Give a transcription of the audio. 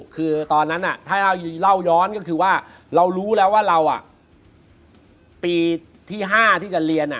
คือตอนนั้นถ้าเราเล่าย้อนก็คือว่าเรารู้แล้วว่าเราปีที่๕ที่จะเรียน